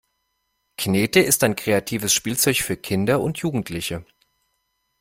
Knete ist ein kreatives Spielzeug für Kinder und Jugendliche.